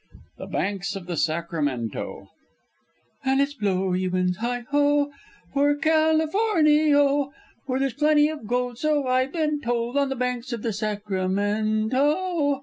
THE BANKS OF THE SACRAMENTO "And it's blow, ye winds, heigh ho, For Cal i for ni o; For there's plenty of gold so I've been told, On the banks of the Sacramento!"